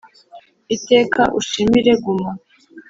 iteka ushimire guma.